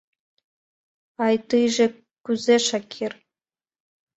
— А тыйже кузе, Шакир?